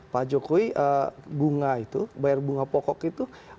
pak jokowi bunga itu bayar bunga pokok itu